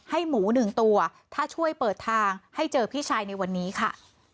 หมูหนึ่งตัวถ้าช่วยเปิดทางให้เจอพี่ชายในวันนี้ค่ะ